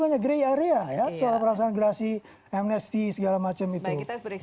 banyak grey area ya soal perasaan gerasi amnesty segala macam itu baik kita berbicara